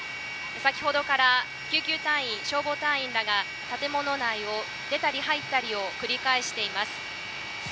先ほどから救急隊員、消防隊員らが建物内を出たり入ったりを繰り返しています。